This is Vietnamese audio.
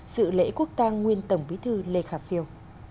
dự lễ quốc tang nguyên tổng bí thư lê khả phiêu